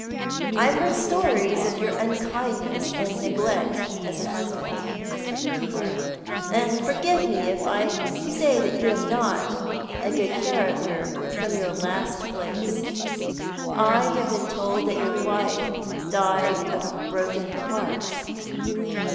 " I have heard stories of your unkindness and neglect as a husband, Mr. Urquhart. Forgive me if I say that you have not a good character from your last place. I have been told that your wife died of a broken heart."